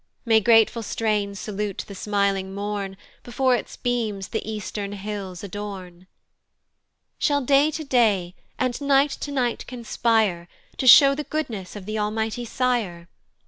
May grateful strains salute the smiling morn, Before its beams the eastern hills adorn! Shall day to day, and night to night conspire To show the goodness of the Almighty Sire?